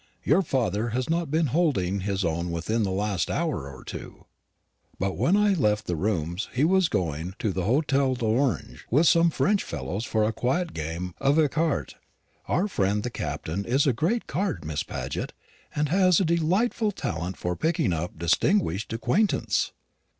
Your father has not been holding his own within the last hour or two; but when I left the rooms he was going to the Hotel d'Orange with some French fellows for a quiet game of écarté. Our friend the Captain is a great card, Miss Paget, and has a delightful talent for picking up distinguished acquaintance."